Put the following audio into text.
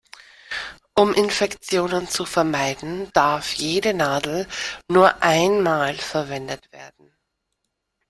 Um Infektionen zu vermeiden, darf jede Nadel nur einmal verwendet werden.